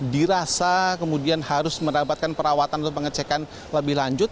dirasa kemudian harus mendapatkan perawatan atau pengecekan lebih lanjut